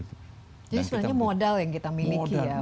jadi sebenarnya modal yang kita miliki ya untuk mengatasi kesulitan